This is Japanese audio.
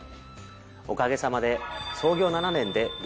おかげさまで。